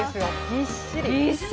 ぎっしり！